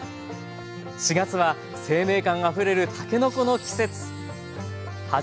４月は生命感あふれるたけのこの季節。